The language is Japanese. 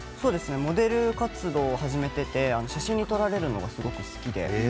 モデル活動を始めていて写真に撮られるのがすごく好きで。